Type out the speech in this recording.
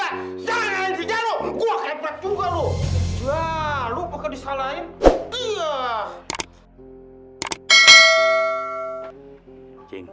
jangan nyalahin si jalu gua kepek juga lu